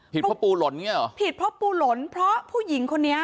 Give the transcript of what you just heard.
ผิดเพราะปูหล่นเนี่ยเหรอผิดเพราะปูหล่นเพราะผู้หญิงคนนี้